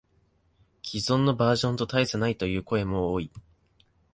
既存のバージョンと大差ないという声も多い